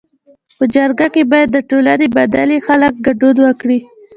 په جرګه کي باید د ټولني منلي خلک ګډون وکړي.